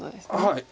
はい。